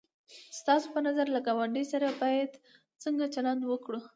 ستاسو په نظر له گاونډي سره باید څنگه چلند وکړو؟